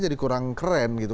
jadi kurang keren gitu